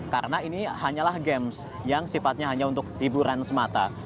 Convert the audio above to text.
karena ini hanyalah game yang sifatnya hanya untuk hiburan semata